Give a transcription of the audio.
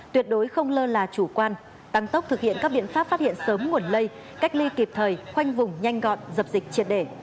tuyệt đối không lơ là chủ quan tăng tốc thực hiện các biện pháp phát hiện sớm nguồn lây cách ly kịp thời khoanh vùng nhanh gọn dập dịch triệt đề